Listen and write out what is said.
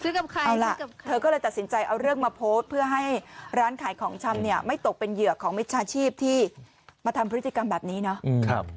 กับใครล่ะเธอก็เลยตัดสินใจเอาเรื่องมาโพสต์เพื่อให้ร้านขายของชำเนี่ยไม่ตกเป็นเหยื่อของมิจฉาชีพที่มาทำพฤติกรรมแบบนี้เนาะ